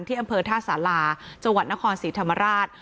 อำเภอท่าสาราจังหวัดนครศรีธรรมราช